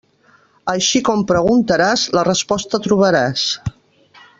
Així com preguntaràs, la resposta trobaràs.